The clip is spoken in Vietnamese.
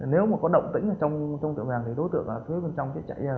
nếu mà có động tính trong tiệm vàng thì đối tượng ở phía bên trong sẽ chạy ra